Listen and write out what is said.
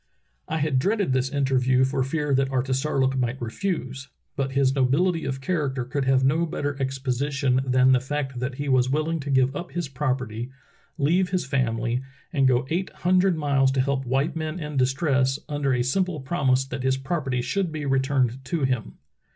"I had dreaded this interview for fear that Artisar look might refuse, but his nobility of character could have no better exposition than the fact that he was willing to give up his property, leave his family, and go eight hundred miles to help white men in distress, under a simple promise that his property should be re turned to him."